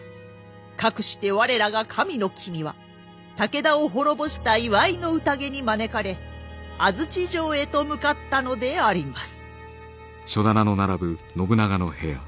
かくして我らが神の君は武田を滅ぼした祝いの宴に招かれ安土城へと向かったのであります。